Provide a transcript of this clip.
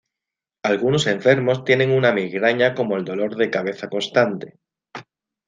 Algunos enfermos tienen una migraña como el dolor de cabeza constante.